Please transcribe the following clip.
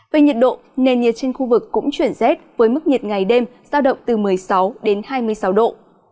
về nhiệt độ nền nhiệt trên khu vực cũng chuyển rét với mức nhiệt ngày đêm giao động từ một mươi sáu đến hai mươi sáu độ